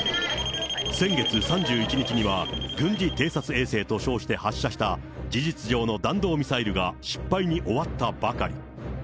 先月３１日には、軍事偵察衛星と称して発射した、事実上の弾道ミサイルが失敗に終わったばかり。